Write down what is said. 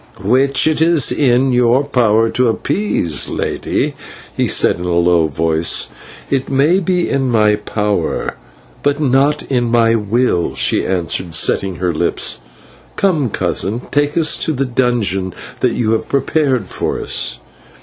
"Which it is in your power to appease, lady," he said in a low voice. "It may be in my power, but it is not in my will," she answered, setting her lips. "Come, cousin, take us to the dungeon that you have prepared for us."